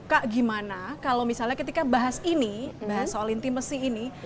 kak gimana kalau misalnya ketika bahas ini bahas soal intimacy ini